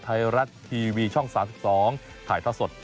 ไทยรัฐทีวีช่อง๓๒ถ่ายทอดสด